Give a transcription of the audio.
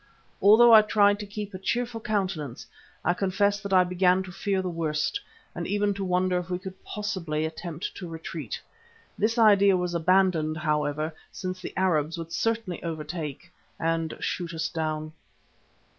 Although I tried to keep a cheerful countenance I confess that I began to fear the worst and even to wonder if we could possibly attempt to retreat. This idea was abandoned, however, since the Arabs would certainly overtake and shoot us down.